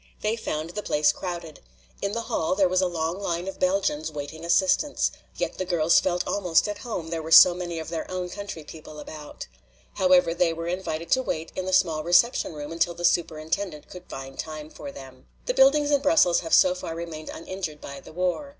They found the place crowded. In the hall there was a long line of Belgians waiting assistance. Yet the girls felt almost at home, there were so many of their own country people about. However, they were invited to wait in a small reception room until the Superintendent could find time for them. The buildings in Brussels have so far remained uninjured by the war.